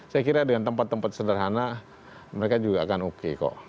saya kira dengan tempat tempat sederhana mereka juga akan oke kok